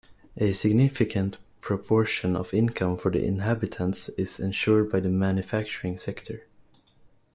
A significant proportion of income for the inhabitants is ensured by the manufacturing sector.